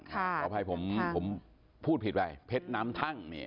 ขออภัยผมผมพูดผิดไปเพ็ดน้ำทั่ง